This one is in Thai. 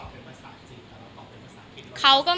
มีแค่เมื่อกี๊